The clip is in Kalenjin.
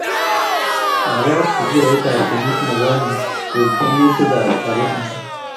magaat ko kuraitab kenyit negonye koek tyemutikab kalyet mising